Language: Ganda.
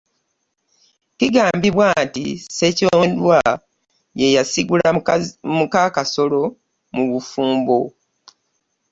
Kigambibwa nti Ssekyondwa ye yasigula muka Kasolo mu bufumbo.